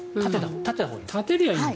立てたほうがいい。